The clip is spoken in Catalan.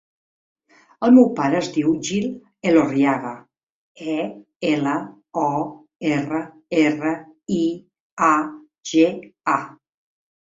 El meu pare es diu Gil Elorriaga: e, ela, o, erra, erra, i, a, ge, a.